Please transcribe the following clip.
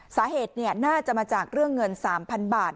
สาเหตุเนี่ยน่าจะมาจากเรื่องเงินสามพันบาท